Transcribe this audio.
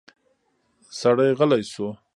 سړی غلی شو.